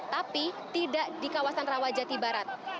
tapi tidak di kawasan rawa jati barat